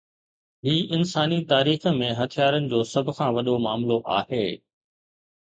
هي انساني تاريخ ۾ هٿيارن جو سڀ کان وڏو معاملو آهي.